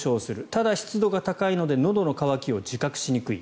ただ、湿度が高いのでのどの渇きを自覚しにくい。